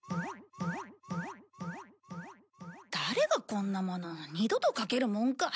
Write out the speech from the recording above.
誰がこんなもの二度とかけるもんか。